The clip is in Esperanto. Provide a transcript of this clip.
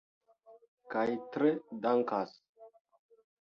Kaj tre dankas.